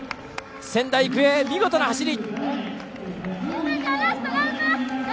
仙台育英、見事な走り。